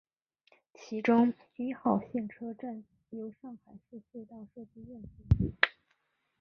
其中一号线车站由上海市隧道设计院设计。